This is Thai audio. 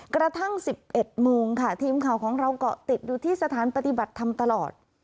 กระทั่ง๑๑โมงค่ะทีมข่าวของเราเกาะติดอยู่ที่สถานปฏิบัติธรรมตลอด